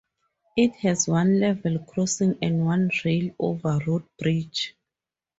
It has one level crossing and one rail-over-road bridge.